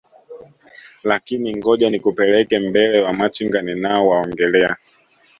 Lakin ngoja nikupeleke mbele Wamachinga ninao waongelea